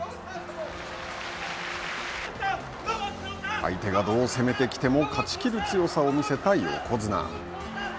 相手がどう攻めてきても勝ちきる強さを見るせた横綱。